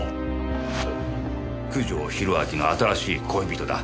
九条宏明の新しい恋人だ。